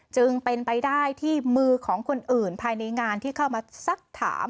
จึงเป็นไปได้ที่มือของคนอื่นภายในงานที่เข้ามาสักถาม